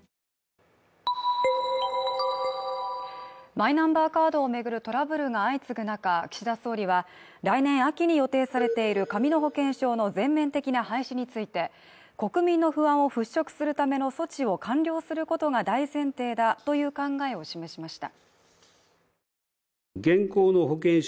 マイナンバーカードを巡るトラブルが相次ぐ中岸田総理は来年秋に予定されている紙の保険証の全面的な廃止について国民の不安を払拭するための措置を完了することが大前提だという考えを示しました。